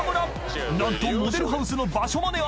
［何とモデルハウスの場所まで案内］